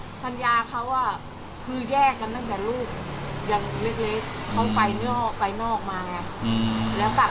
ภรรยาเขาอ่ะคือแยกกันตั้งแต่ลูกยังเล็ก